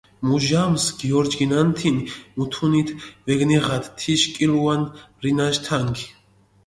მუჟამს გიორჯგინანთინ, მუთუნით ვეგნიღათ თიშ კილუან რინაშ თანგი.